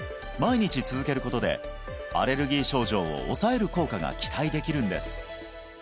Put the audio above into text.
毎日続けることでアレルギー症状を抑える効果が期待できるんです